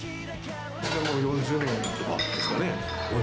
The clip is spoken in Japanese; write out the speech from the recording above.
もう４０年とかですかね。